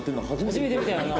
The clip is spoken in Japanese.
初めて見たよな。